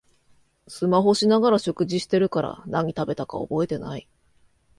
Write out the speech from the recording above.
スマホしながら食事してるから何食べたか覚えてない